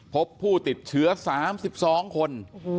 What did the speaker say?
พบผู้ติดเชื้อ๓๒คน